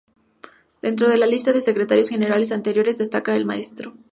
Dentro de la lista de Secretarios Generales anteriores, destacan el Mtro.